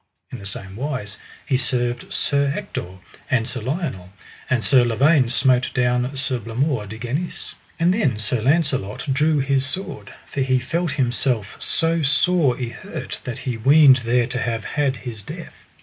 In the same wise he served Sir Ector and Sir Lionel; and Sir Lavaine smote down Sir Blamore de Ganis. And then Sir Launcelot drew his sword, for he felt himself so sore y hurt that he weened there to have had his death.